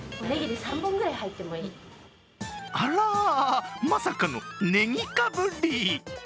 あら、まさかのねぎかぶり。